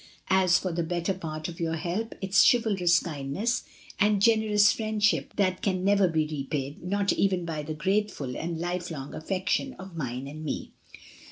As for the better part of your help, its chivalrous kindness, and generous friendship, that can never be repaid, not even by the grateful and life long affection of mine and me.